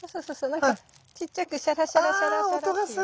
なんかちっちゃくシャラシャラシャラシャラっていう音が。